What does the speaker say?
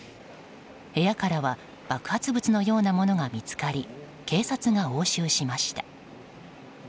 部屋からは爆発物のようなものが見つかり警察が押収しました。